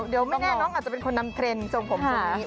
เดี๋ยวไม่แน่น้องอาจจะเป็นคนนำเทรนด์ทรงผมทรงนี้